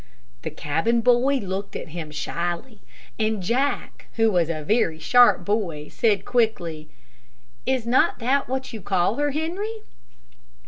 The cabin boy looked at him shyly, and Jack, who was a very sharp boy, said quickly, "Is not that what you call her, Henry?"